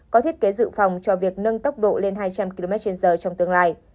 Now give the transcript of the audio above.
có thiết kế dự phòng cho việc nâng tốc độ lên hai trăm linh kmh trong tương lai